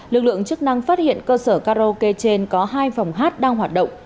lực lượng chức năng phát hiện cơ sở karaoke trên có hai phòng hát đang hoạt động